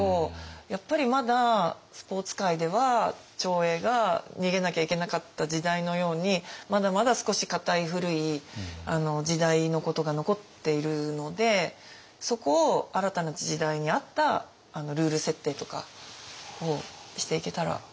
やっぱりまだスポーツ界では長英が逃げなきゃいけなかった時代のようにまだまだ少し固い古い時代のことが残っているのでそこを新たな時代に合ったルール設定とかをしていけたら。